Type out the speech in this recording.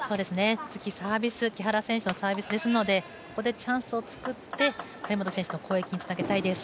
次、木原選手のサービスですのでここでチャンスを作って、張本選手の攻撃につなげたいです。